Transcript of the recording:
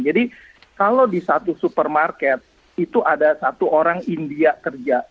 jadi kalau di satu supermarket itu ada satu orang india kerja